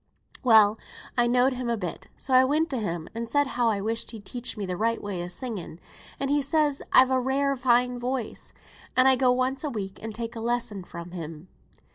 Well, I know'd him a bit, so I went to him, and said how I wished he'd teach me the right way o' singing; and he says I've a rare fine voice, and I go once a week, and take a lesson fra' him.